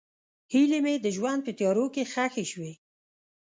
هیلې مې د ژوند په تیارو کې ښخې شوې.